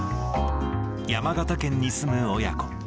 山形県に住む親子。